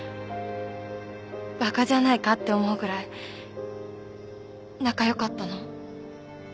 バカじゃないかって思うぐらい仲よかったの。